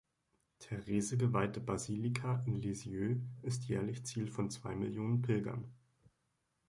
Therese geweihte Basilika in Lisieux ist jährlich Ziel von zwei Millionen Pilgern.